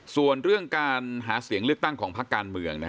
ส่วนเรื่องการหาเสียงเลือกตั้งของพักการเมือง